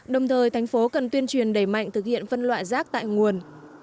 đồng thời thành phố cần tuyên truyền đẩy mạnh thực hiện phân loại rác tại nguồn